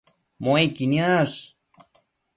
Muequi niash